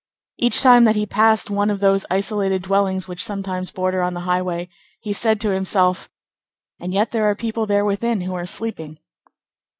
Each time that he passed one of those isolated dwellings which sometimes border on the highway, he said to himself, "And yet there are people there within who are sleeping!"